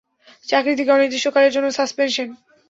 চাকরি থেকে অনির্দিষ্টকালের জন্য সাসপেনশন।